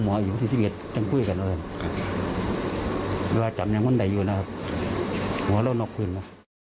เวลาจำยังว่าใดอยู่นะครับหมอเล่านอกพื้นมา